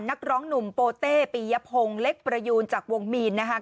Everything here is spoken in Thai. นักร้องหนุ่มโปเต้ปียพงศ์เล็กประยูนจากวงมีนนะคะ